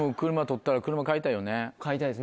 買いたいです